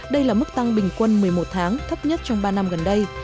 đây là mức tăng bình quân một mươi một tháng thấp nhất trong ba năm gần đây